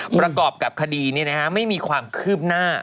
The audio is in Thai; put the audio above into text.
ประกอบกับคดีไม่มีความคืบหน้า